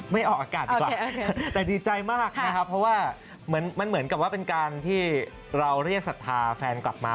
ไม่ออกอากาศดีกว่าแต่ดีใจมากนะครับเพราะว่าเหมือนมันเหมือนกับว่าเป็นการที่เราเรียกศรัทธาแฟนกลับมา